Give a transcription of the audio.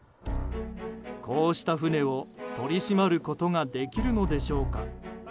こうした船を取り締まることができるのでしょうか。